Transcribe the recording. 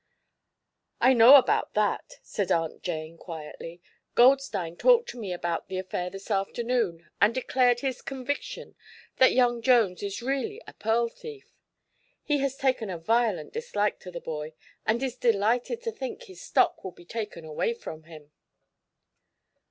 "I know about that," said Aunt Jane, quietly. "Goldstein talked to me about the affair this afternoon and declared his conviction that young Jones is really a pearl thief. He has taken a violent dislike to the boy and is delighted to think his stock will be taken away from him."